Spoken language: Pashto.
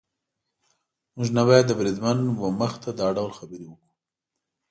موږ نه باید د بریدمن وه مخې ته دا ډول خبرې وکړو.